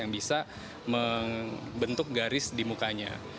yang bisa membentuk garis di mukanya